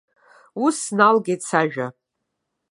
Ус сналагеит сажәа.